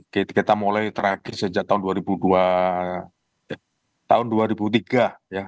kita mulai terakhir sejak tahun dua tahun dua ribu tiga ya